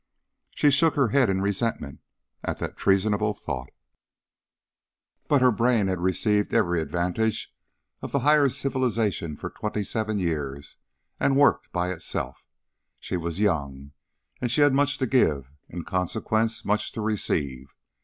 She shook her head in resentment at the treasonable thought; but her brain had received every advantage of the higher civilization for twenty seven years, and worked by itself. She was young and she had much to give; in consequence, much to receive.